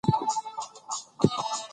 کولمو بکتریاوې د حافظې په فعالیت اغېز لري.